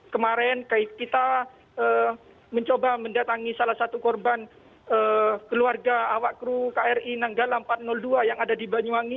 kemarin kita mencoba mendatangi salah satu korban keluarga awak kru kri nanggala empat ratus dua yang ada di banyuwangi